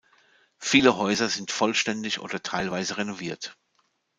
Viele Häuser sind vollständig oder teilweise renoviert.